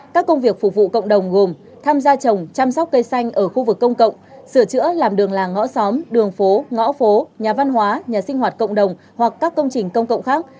các công việc phục vụ cộng đồng gồm tham gia trồng chăm sóc cây xanh ở khu vực công cộng sửa chữa làm đường làng ngõ xóm đường phố ngõ phố nhà văn hóa nhà sinh hoạt cộng đồng hoặc các công trình công cộng khác